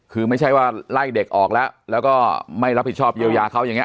คือไม่ใช่ว่าไล่เด็กออกแล้วแล้วก็ไม่รับผิดชอบเยียวยาเขาอย่างนี้